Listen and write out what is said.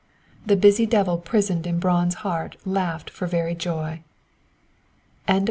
The busy devil prisoned in Braun's heart laughed for very joy. CHAPTER IV.